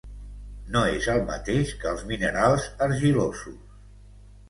No és el mateix que els minerals argilosos.